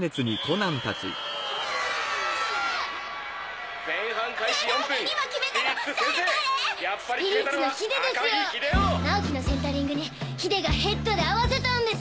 ナオキのセンターリングにヒデがヘッドで合わせたんです！